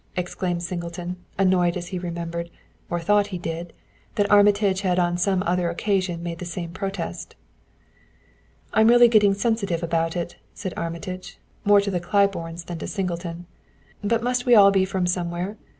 exclaimed Singleton, annoyed as he remembered, or thought he did, that Armitage had on some other occasion made the same protest. "I'm really getting sensitive about it," said Armitage, more to the Claibornes than to Singleton. "But must we all be from somewhere?